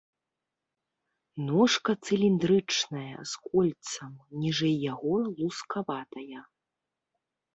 Ножка цыліндрычная, з кольцам, ніжэй яго лускаватая.